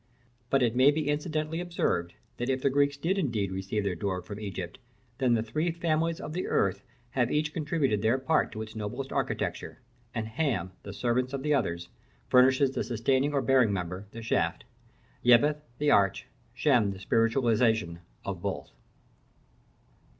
But it may be incidentally observed, that if the Greeks did indeed receive their Doric from Egypt, then the three families of the earth have each contributed their part to its noblest architecture: and Ham, the servant of the others, furnishes the sustaining or bearing member, the shaft; Japheth the arch; Shem the spiritualisation of both.